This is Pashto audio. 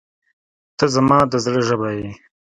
• ته زما د زړه ژبه یې.